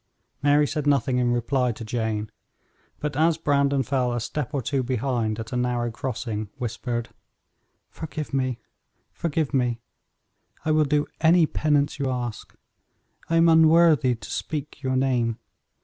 Mary said nothing in reply to Jane, but, as Brandon fell a step or two behind at a narrow crossing, whispered: "Forgive me, forgive me; I will do any penance you ask; I am unworthy to speak your name.